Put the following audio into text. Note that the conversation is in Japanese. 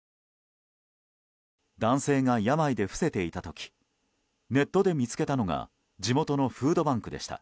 男性が病で伏せていた時ネットで見つけたのが地元のフードバンクでした。